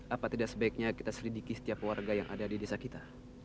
apa tidak sebaiknya kita selidiki setiap warga yang ada di desa kita